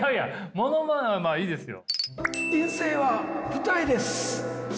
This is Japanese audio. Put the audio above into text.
ものまねはまあいいですよ。